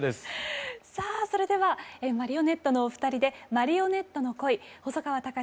さあそれではマリオネットのお二人で「マリオネットの恋」細川たかしさんで「風雪よされ」。